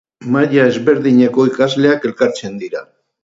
Maila ezberdineko ikasleak elkartzen dira.